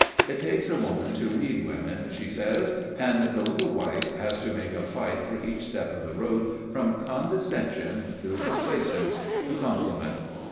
It takes a woman to read women, she says, and the little wife has to make a fight for each step of the road from condescension through complaisance to compliment.